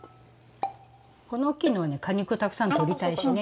この大きいのはね果肉たくさん取りたいしね。